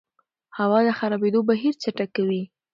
هوا د خرابېدو بهیر چټکوي.